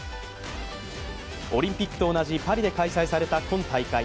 オリンピックと同じパリで開催された今大会。